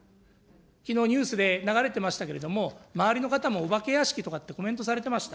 きのうニュースで流れてましたけれども、周りの方もお化け屋敷とかってコメントされてました。